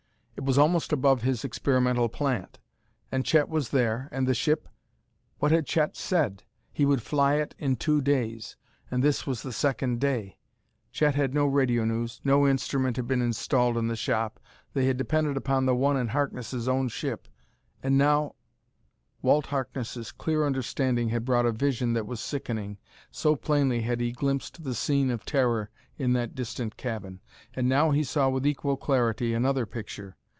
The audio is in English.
it was almost above his experimental plant! And Chet was there, and the ship.... What had Chet said? He would fly it in two days and this was the second day! Chet had no radio news; no instrument had been installed in the shop; they had depended upon the one in Harkness' own ship. And now Walt Harkness' clear understanding had brought a vision that was sickening, so plainly had he glimpsed the scene of terror in that distant cabin. And now he saw with equal clarity another picture.